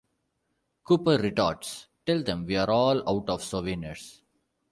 Cooper retorts: "Tell them we're all out of souvenirs".